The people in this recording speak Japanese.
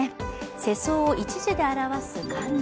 世相を一字で表す漢字。